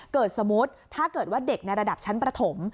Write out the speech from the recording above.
สมมุติถ้าเกิดว่าเด็กในระดับชั้นประถม